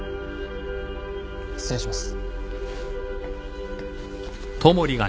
失礼します。